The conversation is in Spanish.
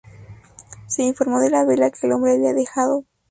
Se informó de la vela que el hombre había dejado.